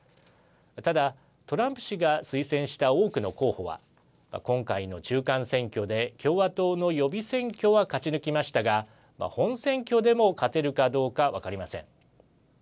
ただ、トランプ氏が推薦した多くの候補は今回の中間選挙で共和党の予備選挙は勝ち抜きましたが、本選挙でも勝てるかどうか分かりません。